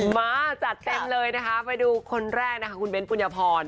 มาจัดเต็มเลยนะคะไปดูคนแรกนะคะคุณเบ้นปุญญพร